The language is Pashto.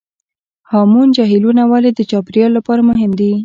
هامون جهیلونه ولې د چاپیریال لپاره مهم دي؟